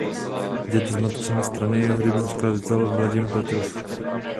Děd z matčiny strany je hudební skladatel Vadim Petrov.